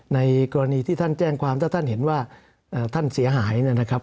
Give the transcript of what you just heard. ในกรณีที่ท่านแจ้งความถ้าท่านเห็นว่าท่านเสียหายเนี่ยนะครับ